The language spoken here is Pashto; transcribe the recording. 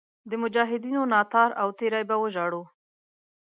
د مجاهدینو ناتار او تېری به وژاړو.